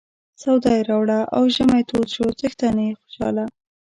سودا یې راوړه او ژمی تود شو څښتن یې خوشاله.